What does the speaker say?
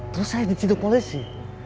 terus saya diciduk polisi